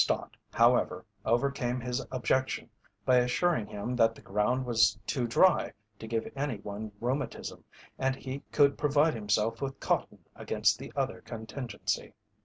Stott, however, overcame his objection by assuring him that the ground was too dry to give any one rheumatism and he could provide himself with cotton against the other contingency.